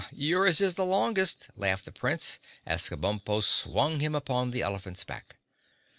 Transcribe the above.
"Yours is the longest," laughed the Prince, as Kabumpo swung him upon the elephant's back.